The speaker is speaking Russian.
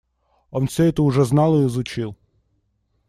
Он всё уже это знал и изучил.